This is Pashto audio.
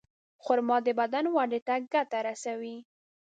خرما د بدن وده ته ګټه رسوي.